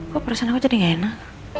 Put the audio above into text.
kok perasaan aku jadi gak enak